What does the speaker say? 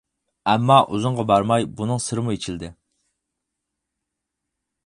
ئەمما ئۇزۇنغا بارماي بۇنىڭ سىرىمۇ ئېچىلدى.